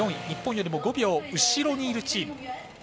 日本よりも５秒後ろにいるチーム。